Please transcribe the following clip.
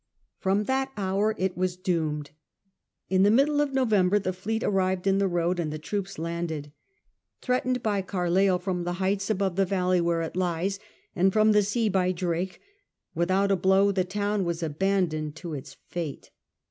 From that hour it was doomed. In the middle of November the fleet arrived in the road, and the troops landed. Threatened by Carleill from the heights above the valley where it lies, and from the sea by Drake, without a blow the town was abandoned to its fate.